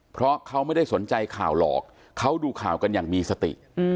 เพราะเขาไม่ได้สนใจข่าวหรอกเขาดูข่าวกันอย่างมีสติ